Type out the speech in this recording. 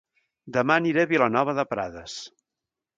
Dema aniré a Vilanova de Prades